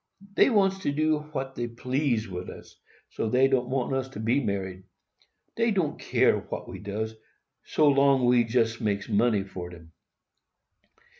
Dey wants to do what dey please wid us, so dey don't want us to be married. Dey don't care what we does, so we jest makes money for dem.